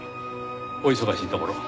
お忙しいところを。